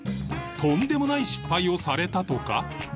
とんでもない失敗をされたとか